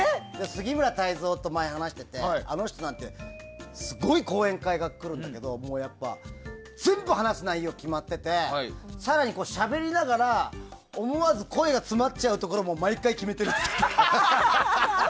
杉村太蔵と前に話しててあの人なんてすごい講演会が来るんだけど全部話す内容が決まってて更にしゃべりながら思わず声が詰まっちゃうところも毎回決めてるって言ってた。